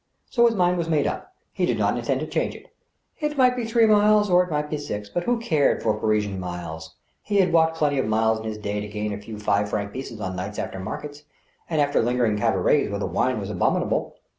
So his mind was made up. He did not intend to change it. It might be three miles or it might be six, but who cared for Parisian miles? He had walked plenty of miles in his day to gain a few five franc pieces on nights after maricets, and after lingering in cabarets where the wine was abominable.